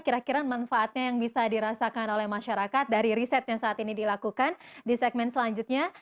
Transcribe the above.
kira kira manfaatnya yang bisa dirasakan oleh masyarakat dari riset yang saat ini dilakukan di segmen selanjutnya